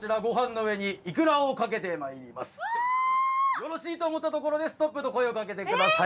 よろしいと思ったところでストップと声をかけてください。